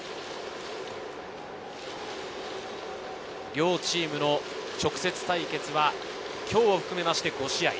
両チームの直接対決は、今日を含めまして５試合。